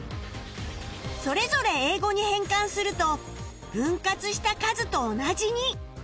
それぞれ英語に変換すると分割した数と同じに